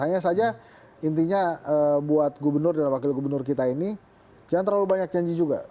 hanya saja intinya buat gubernur dan wakil gubernur kita ini jangan terlalu banyak janji juga